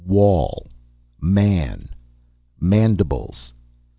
WALL. MAN. MANDIBLES."